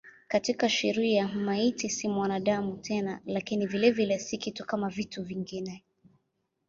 Katika sheria maiti si mwanadamu tena lakini vilevile si kitu kama vitu vingine.